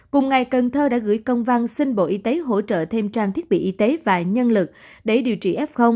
cùng ngày cần thơ đã gửi công văn xin bộ y tế hỗ trợ thêm trang thiết bị y tế và nhân lực để điều trị f